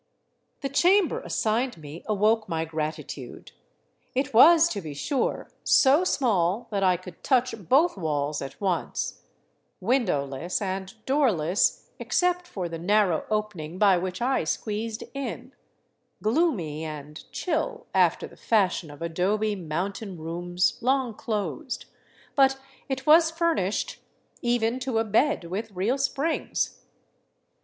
The chamber assigned me awoke my gratitude. It was, to be sure, so small that I could touch both walls at once, windowless and doorless, except for the narrow opening by which I squeezed in, gloomy and chill, after the fashion of adobe mountain rooms long closed ; but it was furnished, even to a bed w4th real springs.